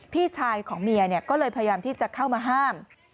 พี่ชายของเมียก็เลยพยายามที่จะเข้ามาห้าม